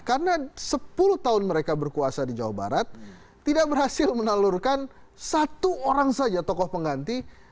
karena sepuluh tahun mereka berkuasa di jawa barat tidak berhasil menelurkan satu orang saja tokoh pengganti akhir